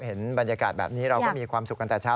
เห็นบรรยากาศแบบนี้เราก็มีความสุขกันแต่เช้า